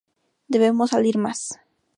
Debemos salir más"".